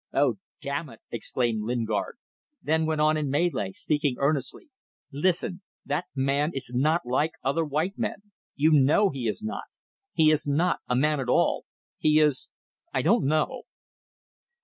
"Oh, damn it!" exclaimed Lingard then went on in Malay, speaking earnestly. "Listen. That man is not like other white men. You know he is not. He is not a man at all. He is ... I don't know."